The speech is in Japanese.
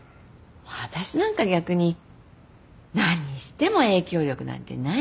私なんか逆に何しても影響力なんてないし無力。